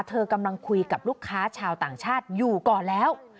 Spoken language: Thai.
เธอกำลังคุยกับลูกค้าชาวต่างชาติอยู่ก่อนแล้ว